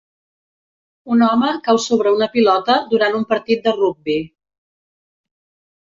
Un home cau sobre una pilota durant un partit de rugbi.